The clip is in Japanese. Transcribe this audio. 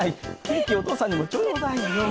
ケーキお父さんにもちょうだいよ。